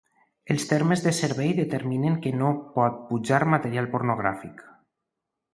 Els termes de servei determinen que no es pot pujar material pornogràfic.